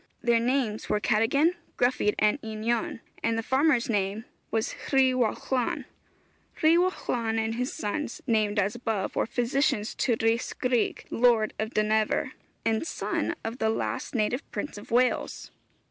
Their names were Cadogan, Gruffydd and Einion, and the farmer's name was Rhiwallon. Rhiwallon and his sons, named as above, were physicians to Rhys Gryg, Lord of Dynevor, and son of the last native prince of Wales.